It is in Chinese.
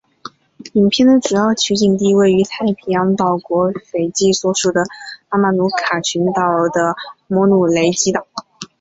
影片的主要取景地位于太平洋岛国斐济所属的马马努卡群岛的摩努雷基岛。